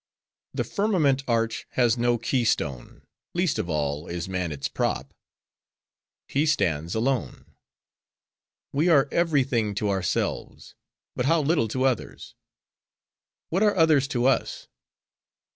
"'The firmament arch has no key stone; least of all, is man its prop. He stands alone. We are every thing to ourselves, but how little to others. What are others to us?